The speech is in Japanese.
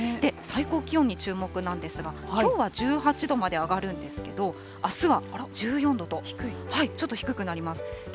最高気温に注目なんですが、きょうは１８度まで上がるんですけど、あすは１４度と、ちょっと低くなります。